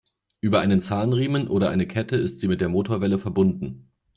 Über einen Zahnriemen oder eine Kette ist sie mit der Motorwelle verbunden.